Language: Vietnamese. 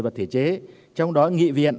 và thể chế trong đó nghị viện